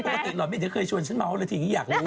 พูดปกติหล่อไม่ได้เคยชวนฉันเมาส์แล้วทีนี้อยากรู้